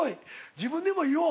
自分でも言おう！